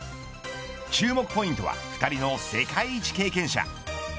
注目ポイントは２人の世界一経験者。